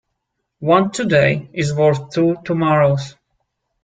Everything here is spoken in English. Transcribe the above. One today is worth two tomorrows.